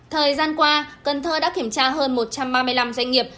thời gian qua cần thơ đã kiểm tra hơn một trăm ba mươi năm doanh nghiệp